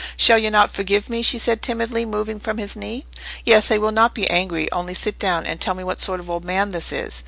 "Shall you not forgive me?" she said, timidly, moving from his knee. "Yes, I will not be angry—only sit down, and tell me what sort of old man this is."